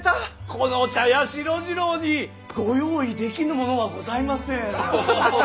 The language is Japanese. この茶屋四郎次郎にご用意できぬものはございません。